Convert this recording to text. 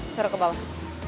suruh ke bawah